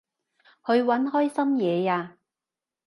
去搵開心嘢吖